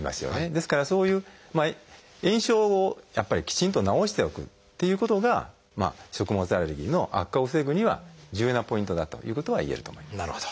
ですからそういう炎症をやっぱりきちんと治しておくっていうことが食物アレルギーの悪化を防ぐには重要なポイントだということがいえると思います。